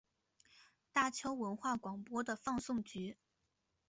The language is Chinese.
大邱文化广播的放送局。